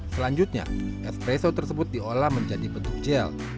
selanjutnya espresso tersebut diolah menjadi bentuk gel